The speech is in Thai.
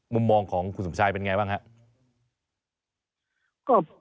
มุมมองของคุณสมชายเป็นไงบ้างครับ